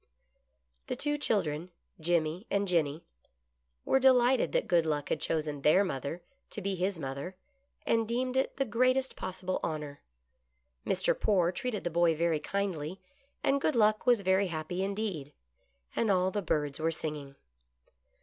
The two children, Jimmy and Jenny, were delighted 58 GOOD LUCK. that Good Luck had chosen their mother to be his mother, and deemed it the greatest possible honor. Mr. Poore treated the boy very kindly, and Good Luck was very happy indeed. And all the birds were singing.